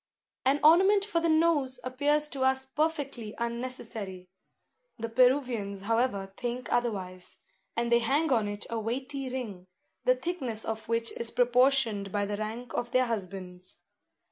An ornament for the nose appears to us perfectly unnecessary. The Peruvians, however, think otherwise; and they hang on it a weighty ring, the thickness of which is proportioned by the rank of their husbands.